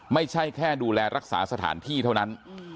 ไม่ใช่แค่ดูแลรักษาสถานที่เท่านั้น